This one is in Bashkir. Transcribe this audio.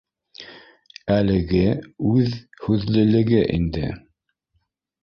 Әлеге үҙ һүҙлелеге инде